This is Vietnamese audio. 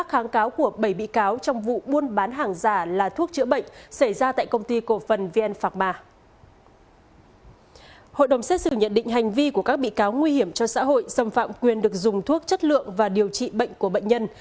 hội đồng xét xử nhận định hành vi của các bị cáo nguy hiểm cho xã hội xâm phạm quyền được dùng thuốc chất lượng và điều trị bệnh của bệnh nhân